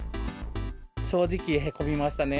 正直へこみましたね。